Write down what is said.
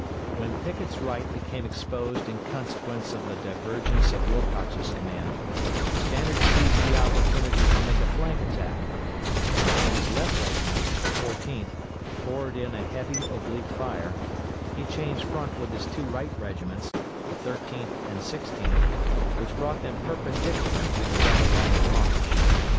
When Pickett's right became exposed in consequence of the divergence of Wilcox's command, Stannard seized the opportunity to make a flank attack, and while his left regiment, the 14th, poured in a heavy oblique fire, he changed front with his two right regiments, the 13th and 16th, which brought them perpendicular to the rebel line of march.